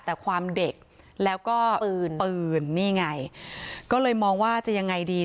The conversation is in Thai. แต่ความเด็กแล้วก็ปืนปืนนี่ไงก็เลยมองว่าจะยังไงดี